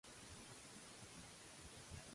Per què va manifestar-se de cop Meneleu?